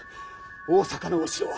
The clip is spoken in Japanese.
大坂のお城は？